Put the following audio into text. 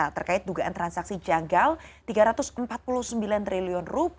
terkait dugaan transaksi janggal rp tiga ratus empat puluh sembilan triliun